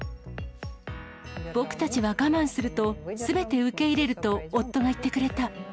僕たちは我慢すると、すべて受け入れると夫が言ってくれた。